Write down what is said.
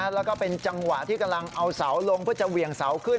แล้วก็เป็นจังหวะที่กำลังเอาเสาลงเพื่อจะเหวี่ยงเสาขึ้น